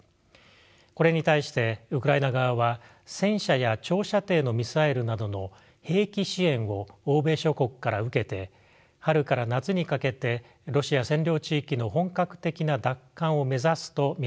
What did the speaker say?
これに対してウクライナ側は戦車や長射程のミサイルなどの兵器支援を欧米諸国から受けて春から夏にかけてロシア占領地域の本格的な奪還を目指すと見られています。